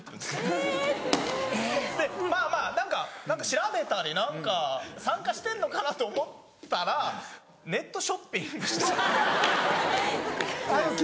・えすごい・まぁまぁ何か調べたり参加してんのかなと思ったらネットショッピングしてたんですよ。